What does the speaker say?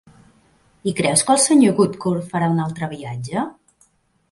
I creus que el senyor Woodcourt farà un altre viatge?